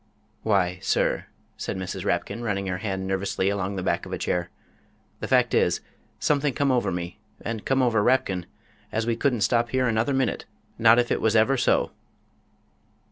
"Why, sir," said Mrs. Rapkin, running her hand nervously along the back of a chair, "the fact is, something come over me, and come over Rapkin, as we couldn't stop here another minute not if it was ever so."